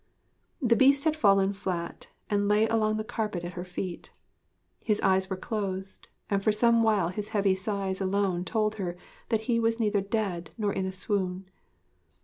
The Beast had fallen flat and lay along the carpet at her feet. His eyes were closed, and for some while his heavy sighs alone told her that he was neither dead nor in a swoon.